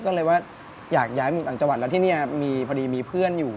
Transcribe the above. ก็เลยว่าอยากย้ายต่างจังหวัดแล้วที่นี่มีพอดีมีเพื่อนอยู่